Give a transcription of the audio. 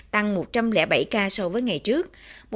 tăng một trăm linh bảy ca so với ngày trước